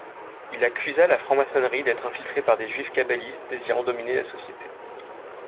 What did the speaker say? Il accusa la franc-maçonnerie d'être infiltrée par des juifs kabbalistes désirant dominer la société.